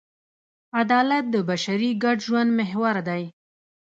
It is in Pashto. عدالت د بشري ګډ ژوند محور دی.